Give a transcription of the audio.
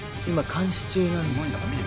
今監視中なんです。